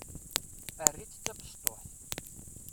Err-itt d tabesṭuḥt.